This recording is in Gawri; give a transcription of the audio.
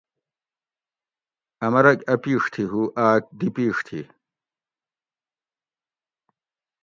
ا مرگ ا پیڛ تھی ہو آک دی پیڛ تھی